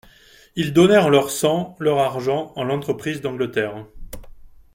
Ils donnèrent leur sang, leur argent, à l'entreprise d'Angleterre.